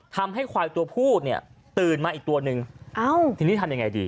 ทำให้ควายตัวผู้เนี่ยตื่นมาอีกตัวหนึ่งเอ้าทีนี้ทำยังไงดี